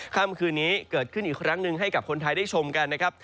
ค่ำคืนนี้เกิดขึ้นอีกครั้งหนึ่งให้กับคนไทยได้ชมกันนะครับ